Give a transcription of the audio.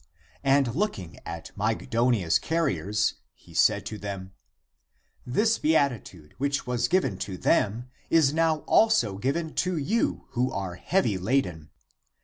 And looking at her (Mygdonia's) carriers, he said to them, this beatitude, which was given to them, is now also given to you who are heavy laden.